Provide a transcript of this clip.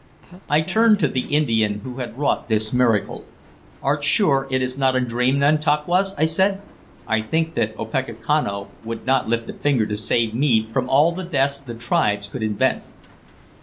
I turned to the Indian who had wrought this miracle. "Art sure it is not a dream, Nantauquas?" I said. "I think that Opechancanough would not lift a finger to save me from all the deaths the tribes could invent."